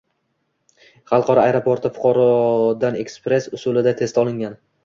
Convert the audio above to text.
Xalqaro aeroportda fuqarodan ekspress usulida test olingan.